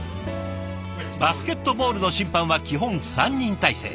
バスケットボールの審判は基本３人体制。